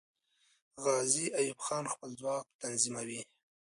غازي ایوب خان خپل ځواک تنظیموي.